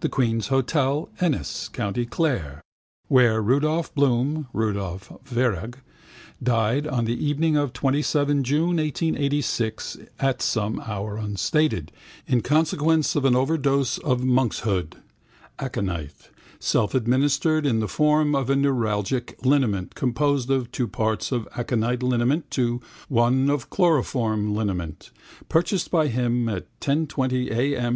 The Queen's Hotel, Ennis, county Clare, where Rudolph Bloom (Rudolf Virag) died on the evening of the 27 June 1886, at some hour unstated, in consequence of an overdose of monkshood (aconite) selfadministered in the form of a neuralgic liniment composed of 2 parts of aconite liniment to 1 of chloroform liniment (purchased by him at 10.20 a.m.